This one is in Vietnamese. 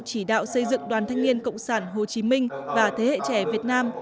chỉ đạo xây dựng đoàn thanh niên cộng sản hồ chí minh và thế hệ trẻ việt nam